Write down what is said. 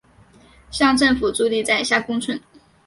乡政府驻地在下宫村。